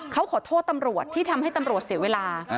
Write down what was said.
เขาขอโทษตำรวจที่ทำให้ตำรวจเสียเวลา